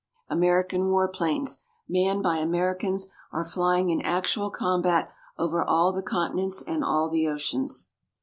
American war planes, manned by Americans, are flying in actual combat over all the continents and all the oceans.